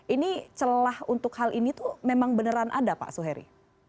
ini celah untuk hal ini tuh memang beneran ada pak suheri